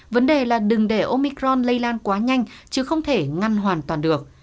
vấn đề là đừng để omicron lây lan quá nhanh chứ không thể ngăn hoàn toàn được